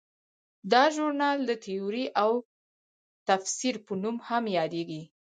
دا ژورنال د تیورۍ او تفسیر په نوم هم یادیږي.